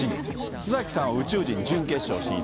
須崎さんは宇宙人、準決勝進出。